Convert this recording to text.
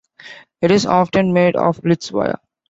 It is often made of litz wire.